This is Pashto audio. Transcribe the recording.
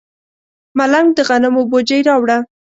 ملنګ د غنمو بوجۍ راوړه.